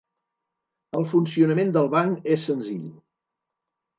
El funcionament del banc és senzill.